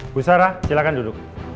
bu sarah silahkan duduk